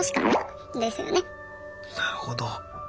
なるほど。